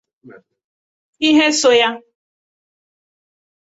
ihe so ya